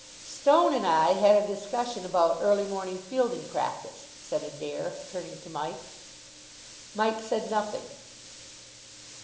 "Stone and I had a discussion about early morning fielding practice," said Adair, turning to Mike. Mike said nothing.